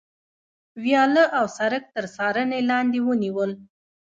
ویاله او سړک تر څارنې لاندې ونیول.